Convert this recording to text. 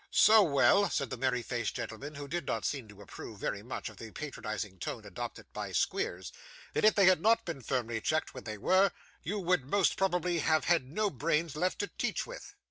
'So well,' said the merry faced gentleman, who did not seem to approve very much of the patronising tone adopted by Squeers, 'that if they had not been firmly checked when they were, you would most probably have had no brains left to teach with.